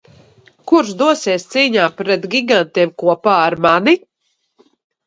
Kurš dosies cīņā pret Gigantiem kopā ar mani?